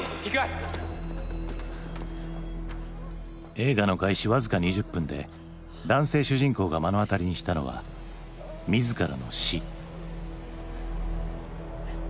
映画の開始僅か２０分で男性主人公が目の当たりにしたのは自らの死。